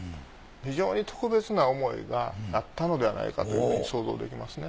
非常に特別な思いがあったのではないかというふうに想像できますね。